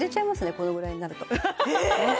このぐらいになるとえっ！？